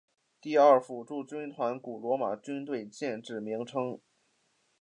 第二辅助军团古罗马军队建制名称。